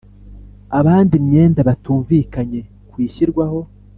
abandi imyenda batumvikanye ku ishyirwaho